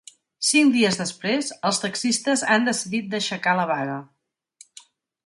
Cinc dies després, els taxistes han decidit d’aixecar la vaga.